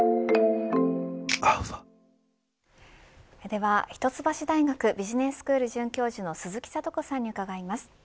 では一橋大学ビジネスクルール准教授の鈴木智子さんに伺います。